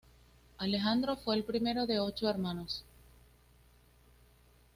Alejandro fue el primero de ocho hermanos.